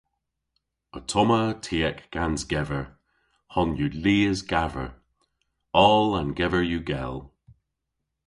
Ottomma tiek gans gever - honn yw lies gaver. Oll an gever yw gell.